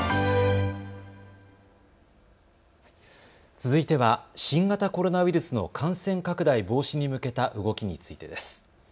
続いては新型コロナウイルスの感染拡大防止に向けた動きについてです。